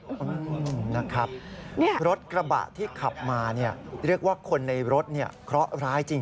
อืมนะครับรถกระบะที่ขับมาเนี่ยเรียกว่าคนในรถเนี่ยเคราะห์ร้ายจริง